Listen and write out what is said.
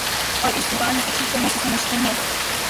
اور اس زبان کو اچھی طرح سے سمجھتے ہیں